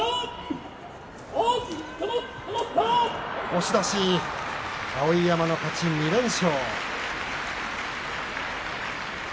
押し出し、碧山の勝ち２連勝。